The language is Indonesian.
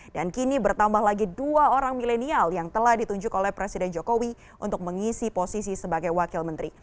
kini bertambah lagi dua orang milenial yang telah ditunjuk oleh presiden jokowi untuk mengisi posisi sebagai wakil menteri